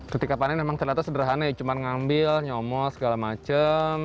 ketika panen memang ternyata sederhana ya cuma ngambil nyomot segala macam